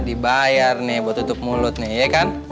dibayar nih buat tutup mulut nih ya kan